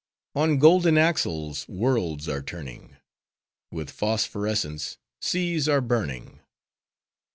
On golden axles worlds are turning: With phosphorescence seas are burning!